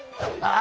あ！